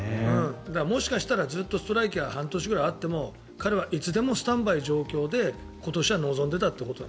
もしかしたらずっとストライキが半年くらいあっても彼はいつでもスタンバイの状況で今年は臨んでいたと。